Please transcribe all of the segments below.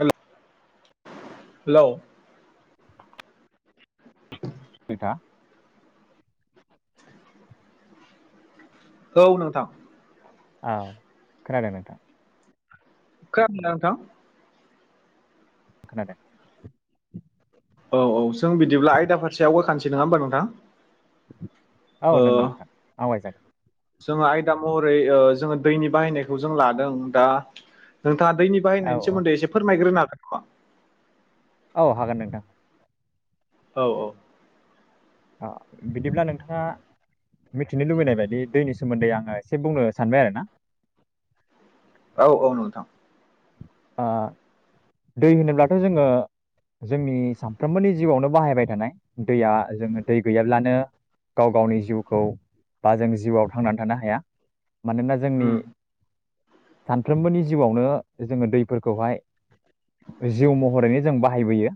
हेल हेल' [unintelligible] बेथा औ नोंथां औ खोनादों नोथां? खोनादोंना नोंथां? खोनादों औ औ सों बिदिब्ला आयदा फारसे आवगाखानोसै नङा होमबा नोंथां। औ ओ नंगौ नोंथां आवरायजागोन। जोङो आयदा महरै जोङो दैनि बाहायनायखौ जों लादों दा बिथाङा दैनि औ बायनायनि औ सोमोनदै एसे फोरमायग्रोनो हागोन नामा औ हागोन नोंथां। औ औ बिदिब्ला नोंथाङा मिथिनो लुबैनाय बायदि दैनि सोमोन्दै आङो एसे बुंनो सानबाय आरो ना औ औ नोंथां दै होनोब्लाथ' जोङो जोंनि सानफ्रोमबोनि जिउआवनो बाहायबाय थानाय दैया जोङो दै गैयाब्लानो गाव गावनि जिउखौ बा जों जिउआव थांनानै थानो हाया मानोना जोंनि उम सानफ्रोमबोनि जिउआवनो जोङो दैफोरखौहाय जिउ महरैनो जों बाहायबोयो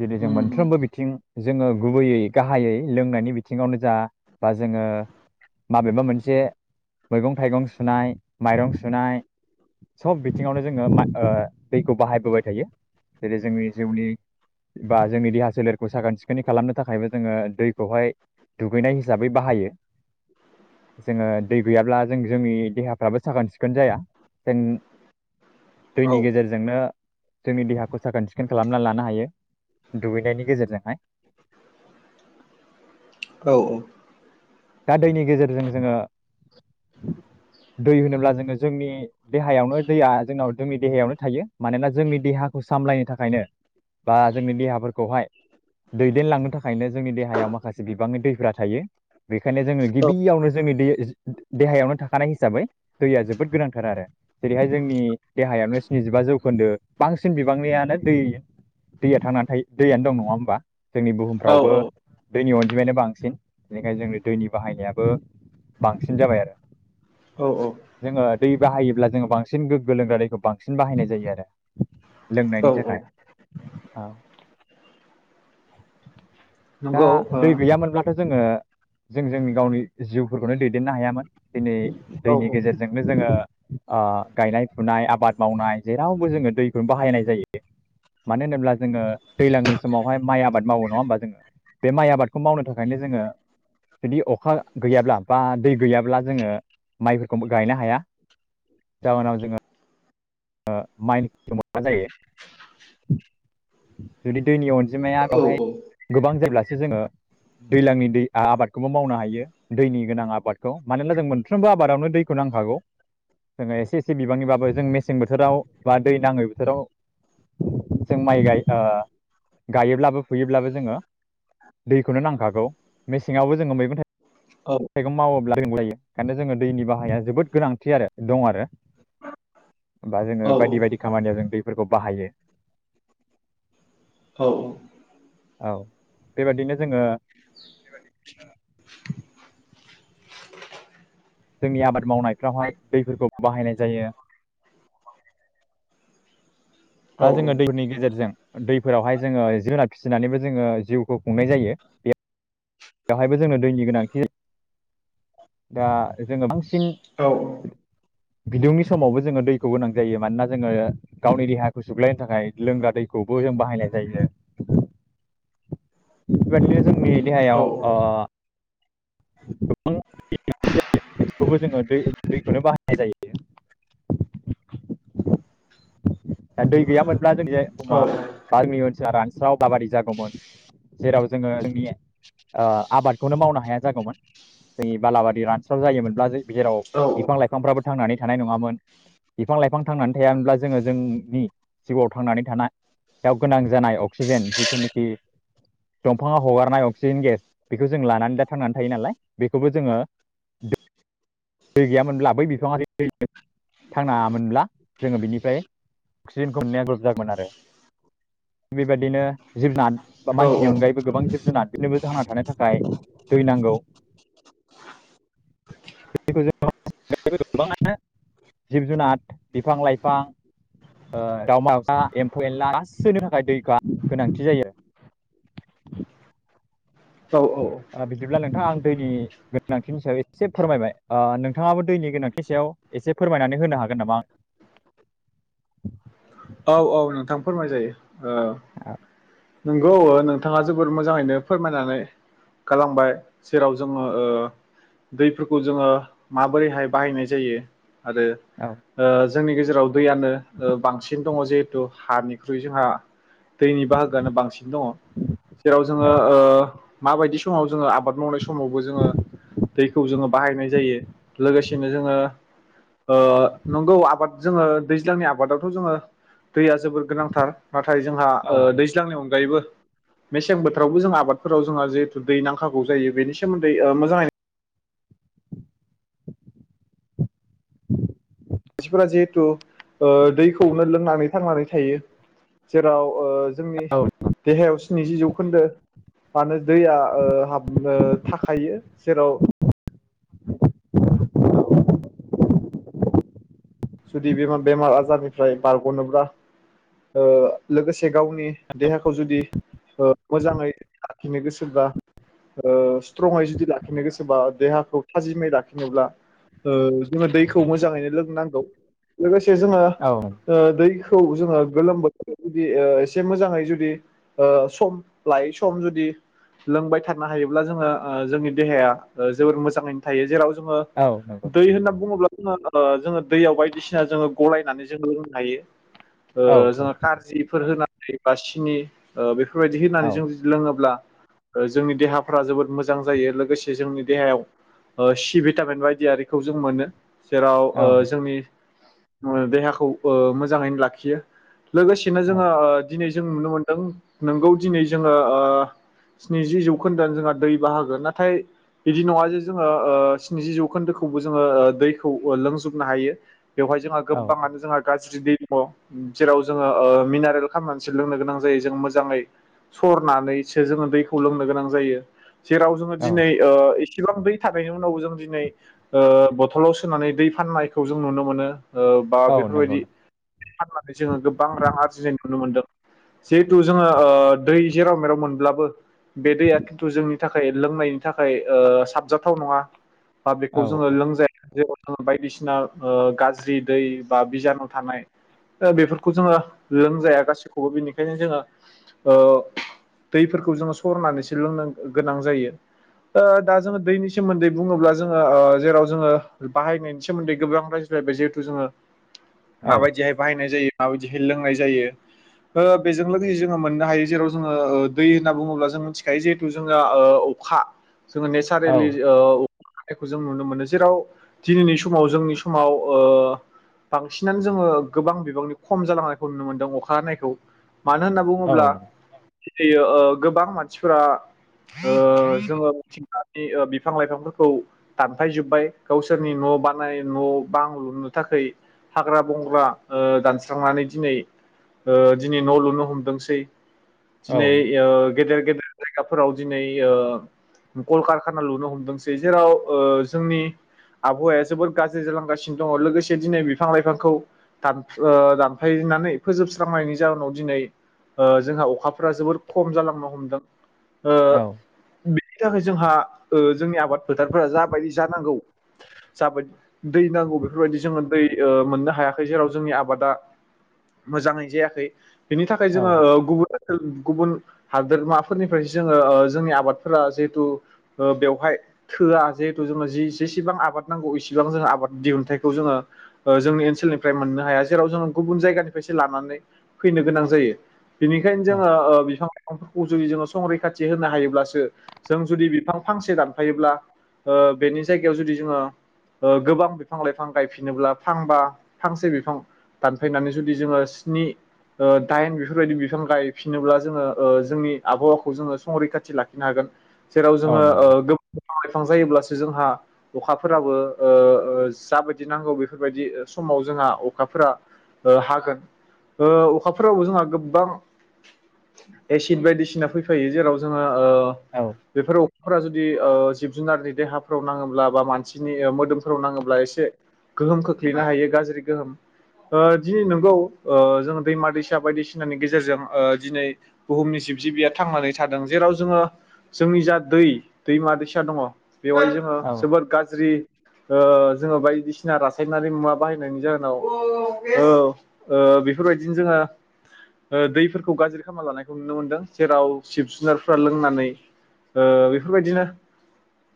दिनै जों उम उम मोनफ्रोमबो बिथिं जोङो गुबैयै गाहायै लोंनायनि बिथिङावनो जा बा जोङो माबेबा मोनसे मैगं थाइगं सुनाय माइरं सुनाय सब बिथिङावनो जोङो दैखौ बाहायबोबाय थायो जेरै जोंनि जिउनि बा जोंनि देहा सोलेरखौ साखोन सिखोनै खालामनो थाखायबो जोङो दैखौहाय दुगैनाय हिसाबै बाहायो जोङो दै गैयाब्ला जों जोंनि देहाफ्राबो साखोन सिखोन जाया जों औ दैनि गेजेरजोंनो जोंनि देहाखौ साखोन सिखोन खालामनानै लानो हायो दुगैनायनि गेजेरजोंहाय औ औ दा दैनि गेजेरजों जोङो [inaudible] दै होनोब्ला जोङो जोंनि देहायावनो दैया जोंनाव जोंनि देहायावनो थायो मानोना जोंनि देहा खौ सामलायनो थाखायनो बा जोंनि देहाफोरखौहाय दैदेनलांनो थाखायनो जोंनि देहायाव माखासे बिबांनि दैफ्रा थायो बेखायनो जोङो गिबियावनो जोंनि दै देहायावनो थाखानाय हिसाबै दैया जोबोद गोनांथार आरो जेरैहाय जोंनि देहायावनो स्निजिबा जौखोन्दो बांसिन बिबांनियानो दै दैया थांनानैथायो दैयानो दं नङा होमबा जोंनि औ बुहुमफ्रावबो दैनि अनजिमायानो बांसिन बेनिखायनो जों दैनि बाहायनायाबो बांसिन जाबाय आरो औ जोङो दै बाहायोब्ला जोङो बांसिन गोगो लोंग्रा दैखौ बांसिन बाहायनाय जायो आरो औ लोंनायनि औ थाखाय औ [inaudible] दा दै गैयामोनब्लाथ' जोङो जों जोंनि गावनि जिउफोरखौनो दैदेननो हायामोन दिनै ओ दैनि गेजेरजोंनो जोङो गायनाय फुनाय आबाद मावनाय जेरावबो जोङो दैखौनो बाहायनाय जायो मानो होनोब्ला जोङो दैज्लांनि समावहाय माइ आबाद मावो नङा होमबा जोङो बे माइ आबादखौ मावनो थाखायनो जोङो जुदि अखा गैयाब्ला बा दै गैयाब्ला जोङो माइफोरखौ गायनो हाया जाउनाव जोङो माइ मोना जायो [inaudible] जुदि दैनि अनजिमाया औ बेवहाय गोबां जायोब्लासो जोङो दैज्लांनि दै आबादखौबो मावनो हायो दैनि गोनां आबादखौ मानोना जों मोनफ्रोमबो आबादावनो दैखौ नांखागौ जोङो एसे एसे बिबांनिबाबो जों मेसें बोथोराव बा दै नाङै बोथोराव जों माइ गाय गायोब्लाबो फुयोब्लाबो जोङो दैखौनो नांखागौ मेसेङावबो जोङो मैगं थायगं औ माइगं मावोब्ला रों जायो ओंखायनो जोङो दैनि बाहाया जोबोद गोनांथि आरो दं आरो बा जोङो औ बायदि बायदि खामानियाव जों दैफोरखौ बाहायो औ बेबादिनो जोङो [inaudible] जोंनि आबाद मावनायफ्रावहाय दैफोरखौ बाहायनाय जायो [unintelligible] दा जोङो दैनि गेजेरजों दैफोरावहाय जोङो जुनार फिसिनानैबो जोङो जिउखौ खुंनाय जायो। [unintelligible] बेवहायबो जोंनो दैनिक गोनांथि दा जोङो बांसिन ओ बिदुंनि समावबो जोङो दैखौ गोनां जायो मानोना जोङो गावनि देहाखौ सुग्लायनो थाखाय लोंग्रा दै खौबो जों बाहायनाय जायो आरो [inaudible] बेबायदिनो जोंनि देहायाव ओ औ [unintelligible] बेखौबो जोङो दै दैखौनो बाहायनाय जायो। [inaudible] दा दै गैयामोनब्ला जोंनि बुहुमा ओनसोला रानस्राव बालिबादि जागौमोन। जेराव जोङो जोंनि ओ आबादखौनो मावनो हाया जागौमोन। जोंनि बालाबारि रानस्राव जायोमोनब्ला जेराव बिफां-लाइफांफ्राबो थांनानै थानाय नङामोन। बिफां-लाइफां थांनानै थायामोनब्ला जोङो जोंनि जिउआव थांनानै थाना याव गोनां जानाय अक्सिजेन जिथुनुखि दंफाङाव हगारनाय अक्सिजेन गेस बेखौ जों लानानै दा थांनानै थायो नालाय बेखौबो जोङो दै गैयामोनब्ला बै बिफाङा थांनामोनब्ला जोङो बिनिफ्राय अक्सिजेनखौ मोननाया गोजानमोन आरो बेबायदिनो जि जुनार बा मानसिनि अनगायैबो गोबां जिब-जुनार बेसोरनोबो थांना थानो थाखाय दै नांगौ [inaudible] [inaudible] गोबाङानो जिब-जुनार बिफां-लाइफां ओ दाउमा, एसा एम्फौ एनला गासैनि थाखाय दैखौ गोनांथि जायो। [inaudible] औ औ औ बिदिब्ला नोंथाङा आं दैनि गोनांथिनि सायाव एसे फोरमायबाय नोंथाङाबो दैनि गोनांथि सायाव एसे फोरमायनानै होनो हागोन नामा? औ औ नोंथां फोरमाय जायो। औ नंगौ नोंथाङा जबोर मोजाङैनो फोरमायनानै गालांबाय जेराव जोङो ओ दैफोरखौ जोङो माबोरैहाय बाहायनाय जायो। आरो ओ जोंनि गेजेराव दैयानो ओ बांसिन दङ जिहेतु हानिनिख्रुइ जोंहा दैनि बाहा गोआनो बांसिन दङ जेराव जोङो औ ओ माबायदि समाव जोङो आबाद मावनाय समावबो जोङो दैखौ जोङो बाहायनाय जायो लोगोसेनो जोङो ओ नंगौ आबाद जोङो दैज्लांनि आबादावथ' जोङो दैया जोबोर गोनांथार नाथाय जोंहा औ ओ दै गायबो मेसें बोथोरावबो जों आबादफोराव जोंहा जिहेथु दै नांखागौ जायो बेनि सोमोन्दै मोजाङै [unintelligible] मानसिफोरा जिहेथु ओ दैखौनो लोंनानै थांनानै थायो जेराव जोंनि देहायाव स्निजि जौखोन्दो मानो दैया ओ हाबनो थाखायो जेराव जुदि बे बेमार आजारनिफ्राय बारग'नोब्ला ओ लोगोसे गावनि देहाखौ जुदि ओ मोजाङै लाखिनो गोसोबा। ओ स्ट्रङै जुदि लाखिनो गोसोबा देहाखौ थाजिमै लाखिनोब्ला। जोङो दैखौ मोजाङैनो लोंनांगौ लोगोसे जोङो दै खौ जोङो गोलोम बोथोर जुदि एसे मोजाङै जुदि सम लायै सम जुदि लोंबाय थानो हायोब्ला जोङो जोंनि देहाया जोबोर मोजाङैनो थायो जेराव जोंङो दै होनना बुङोब्ला ज'ज'दैयाव हाय बायदिसिना जोङो गलायनानै जोङो लोंनो हायो औ ओ जोङो खाजिफोर होनानै। दै बा सिनि बेफोरबायदि होननानै जों जुदि लोङोब्ला जोंनि देहाफ्रा जोबोद मोजां जायो लोगोसे जोंनि देहायाव सि भिटामिन बायदि आरिखौ जों मोनो। जेराव जोंनि देहाखौ मोजाङैनो लाखियो। लोगोसेनो जोङो दिनै जों नुनो मोनदों नोंगौ दिनै जोङो। स्निजि जौखोन्दोआ जोंहा दै बाहागोन नाथाय बिदि नङा जे जोङो ओ स्निजि जौखोन्दोखौबो जोङो दैखौ लोंजोबनो हायो। बेवहाय जोंहा गोबांङानो जोंहा गा दै दङ जेराव जोङो मिनारेल खालामनानैसो लोंनो गोनां जायो जों मोजाङै सरनानैसो जोङो दैखौ लोंनो गोनां जायो जेराव जोङो औ दिनै ओ बिसेबां दै थानायनि उनावबो जों दिनै बथलाव सोनानै दै फाननायखौ जों नुनो मोनो। बा औ नंगौ बेफोरबायदि फाननानै जोङो गोबां रां आरजिनाय नुनो मोनदों। जिहेथु जोङो दै जेराव मेराव मोनब्लाबो बे दैया खिन्थु जोंनि थाखाय लोंनायनि थाखाय ओ साबजाथाव नङा। बा औ बेखौ जोङो औ लोंजाया जे जोङो बायदिसिना ओ गाज्रि दै बा बिजानु थानाय। ओ बेफोरखौ जोङो लोंजाया गासैखौबो बिनिखायनो जोङो ओ दैफोरखौ जोङो सरनानैसो लोंनो गोनां जायो। दा जोङो दैनि सोमोन्दै बुङोब्ला जोङो जेराव जोङो बाहायनायनि सोमोन्दै गोबां। जिहेथु जोङो औ माबायदिहाय बाहायनाय जायो माबायदिहाय लोंनाय जायो। ओ बेजों लोगोसे जोङो मोननो हायो जेराव जोङो दै होनना बुङोब्ला जों मिथिखायो जिहेथु जोंना ओ अखा जोङो औ नेचारेलि औ ओ अखा हानायखौ जों नुनो मोनो जेराव दिनैनि समाव जोंनि समाव ओ बांसिनानो जोङो गोबां बिबांनि खम जालांनायखौ नुनो मोनदों अखा हानायखौ मानो होनना औ औ नंगौ औ बुङोब्ला नंगौ गियो गोबां मानसिफोरा ओ जोङो मिथि बिफां लाइफांफोरखौ दानफायजोब्बाय गावसोरनि न' बानाय न' बां लुनो थाखाय हाग्रा बंग्रा ओ दानस्रांनानै दिनै। ओ दिनै न' लुनो हमदोंसै औ दिनै ओ गेदेर गेदेर जायगाफोराव दिनै ओ कल कारखाना लुनो हमदोंसै जेराव जोंनि आबहावाया जोबोर गाज्रि जालांगासिनो। दङ लोगोसे दिनै बिफां लाइफांखौ दान दानफायनानै फोजोबस्रांनायनि जाउनाव दिनै ओ जोंहा अखाफोरा जोबोर खम जालांनो हमदों ओ औ बेनि थाखाय जोंहा ओ जोंनि आबाद फोथारफोरा जाबायदि जानांगौ जाबायदि दै नांगौ। बेफोरबायदि जोङो दै ओ मोननो हायाखै जेराव जोंनि आबादा मोजाङै जायाखै। बिनि थाखाय जोङो औ गुबुन गुबुन हादोरमाफोरनिफ्रायसो जोङो जोंनि आबादफोरा जिहेथु ओ बेवहाय थोआ जिहेथु जोंनो जि जेसेबां आबाद नांगौ इसेबां जोंङो आबाद दिहुन जानायखौ जोंङो ओ जोंनि ओनसोलनिफ्राय मोननो हाया जेराव जों गुबुन जायगानिफ्रायसो लानानै फैनो गोनां जायो बेनिखायनो जोङो ओ बिफां बिफांफोरखौ जुदि जोङो संरैखाथि होनो हायोब्लासो जों जुदि बिफां फांसे दानफायोब्ला ओ बेनि जायगायाव जुदि जोङो ओ गोबां बिफां लाइफां गायफिनोब्ला फांबा फांसे बिफां दानफायनानै जुदि जोङो स्नि ओ दाइन बेफोरबायदि बिफां गायफिनोब्ला जोङो ओ जोंनि आबहावाखौ जोङो संरैखाथि लाखिनो हागोन। जेराव औ जोङो ओ नंगौ गोबां बिफां लाइफां जायोब्लासो जोंहा अखाफोराबो ओ ओ जाबायदि नांगौ बेफोरबायदि समाव जोंहा अखाफोरा ओ हागोन। ओ अखाफोरावबो जोंहा गोबां एसिड बायदिसिना फैफायो जेराव जोङो ओ औ बेफोर फोरा जुदि ओ जिब-जुनारनि देहाफोराव नाङोब्ला बा मानसिनि मोदोमफोराव नाङोब्ला एसिड गोहोम खोख्लैनो हायो गाज्रि गोहोम। ओ दिनै नंगौ ओ जोङो दैमा दैसा बायदिसिनानि गेजेरजों दिनै ओ बुहुमनि जिब जिबिया थांनानै थादों जेराव जोङो जोंनि जा दै दैमा दैसा दङ। बेवहाय जोङो औ जोबोर गाज्रि ओ जोङो बायदिसिना रासायनारि मुवा बाहायनायनि जाहोनाव औ ओ बेफोरबायदिनो जोंङो ओ दैफोरखौ गाज्रि खालामाना लानायखौ नुनो मोनदों जेराव सिब जुनारफोरा लोंनानै ओ बेफोरबायदिनो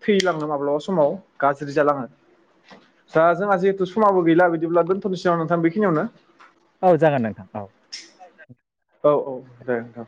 थैलाङो माब्लाबा समाव गाज्रि जालाङो। दा जोंहा जिहेथु समावो गैला बिदिब्ला दोन्थ'नोसै नामा नोंथां बेखिनियावनो? औ जागोन नोंथां औ। [inaudible] औ औ दे नोंथां।